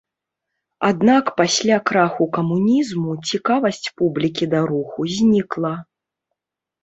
Аднак пасля краху камунізму цікавасць публікі да руху знікла.